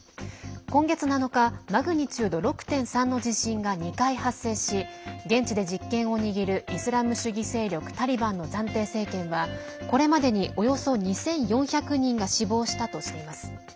今月７日マグニチュード６．３の地震が２回発生し現地で実権を握るイスラム主義勢力タリバンの暫定政権はこれまでに、およそ２４００人が死亡したとしています。